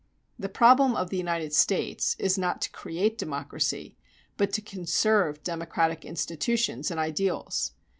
The problem of the United States is not to create democracy, but to conserve democratic institutions and ideals.